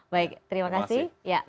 baik terima kasih